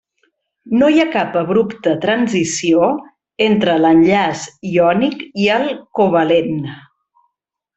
No hi ha cap abrupte transició entre l’enllaç iònic i el covalent.